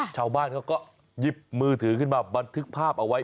ชาวบ้านเขาก็หยิบมือถือขึ้นมาบันทึกภาพเอาไว้